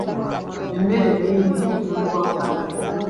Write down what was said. Emmere nnyingi etundibwa mu katale.